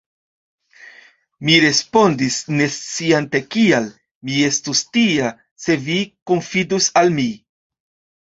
Mi respondis, nesciante kial: Mi estus tia, se vi konfidus al mi.